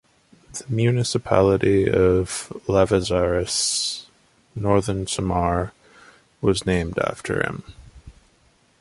The municipality of Lavezares, Northern Samar was named after him.